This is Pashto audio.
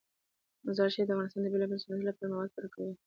مزارشریف د افغانستان د بیلابیلو صنعتونو لپاره مواد پوره برابروي.